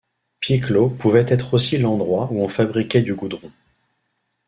Piekło pouvait être aussi l’endroit où on fabriquait du goudron.